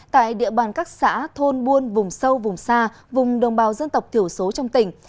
tại địa bàn các xã thôn buôn vùng sâu vùng xa vùng đồng bào dân tộc thiểu số trong tỉnh